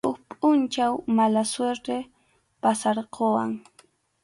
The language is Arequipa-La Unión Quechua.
Huk pʼunchaw mala suerte pasarquwan.